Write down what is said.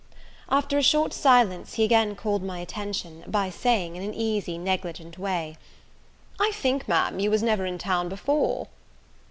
After a short silence he again called my attention, by saying, in an easy, negligent way, "I think, Ma'am, you was never in town before?"